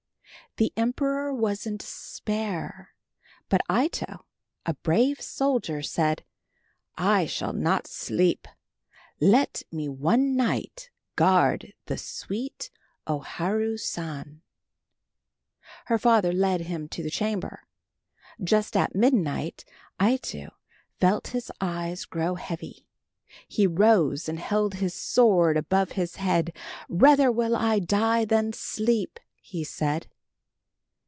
The emperor was in despair, but Ito, a brave soldier, said, "I shall not sleep; let me one night guard the sweet O Haru San." Her father led him to the chamber. Just at midnight Ito felt his eyes grow heavy. He rose and held his sword above his head. "Rather will I die than sleep," he said.